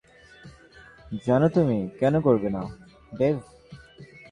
জানি তুমি কেন করবে না, ডেভ।